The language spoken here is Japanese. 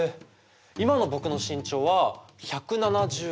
今の僕の身長は１７３ｃｍ。